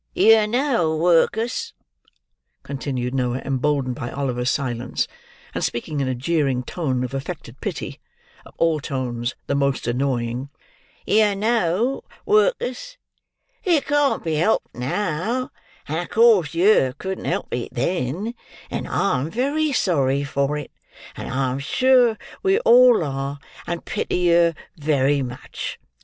"Yer know, Work'us," continued Noah, emboldened by Oliver's silence, and speaking in a jeering tone of affected pity: of all tones the most annoying: "Yer know, Work'us, it can't be helped now; and of course yer couldn't help it then; and I am very sorry for it; and I'm sure we all are, and pity yer very much.